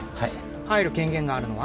入る権限があるのは？